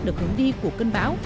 được hướng đi của cơn báo